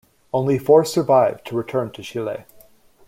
Only four survived to return to Chile.